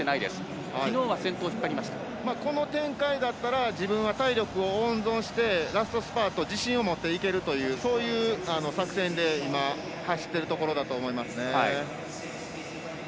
この展開だったら自分は体力を温存してラストスパート自信を持っていけるというそういう作戦で今走っているところだと思います。